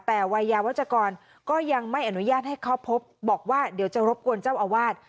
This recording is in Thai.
แต่วัยยาวัชกรก็ยังไม่อนุญาตให้เข้าพบบอกว่าเดี๋ยวจะรบกวนเจ้าอาวาส